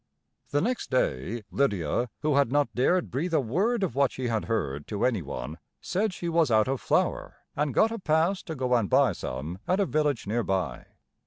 The next day, Lydia, who had not dared breathe a word of what she had heard to any one, said she was out of flour, and got a pass to go and buy some at a village near by.